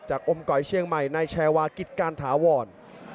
จากอมกรเชียงใหม่ในแชวากิจการถาวร